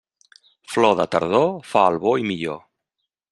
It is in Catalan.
Flor de tardor fa el bo i millor.